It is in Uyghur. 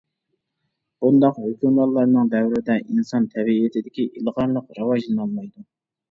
بۇنداق ھۆكۈمرانلارنىڭ دەۋرىدە ئىنسان تەبىئىتىدىكى ئىلغارلىق راۋاجلىنالمايدۇ.